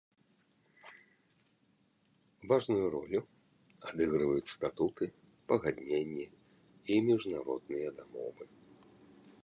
Важную ролю адыгрываюць статуты, пагадненні і міжнародныя дамовы.